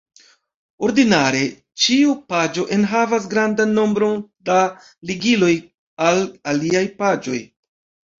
Ordinare, ĉiu paĝo enhavas grandan nombron da ligiloj al aliaj paĝoj.